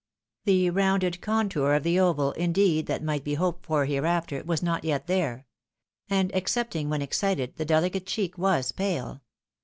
The rounded contour of the oval, indeed, that might be hoped for hereafter, was not yet there ; and, excepting when excited, the dehcate cheek was pale.